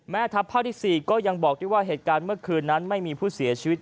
แม่ทัพภาคที่๔ก็ยังบอกด้วยว่าเหตุการณ์เมื่อคืนนั้นไม่มีผู้เสียชีวิต